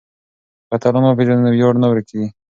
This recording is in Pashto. که اتلان وپېژنو نو ویاړ نه ورکيږي.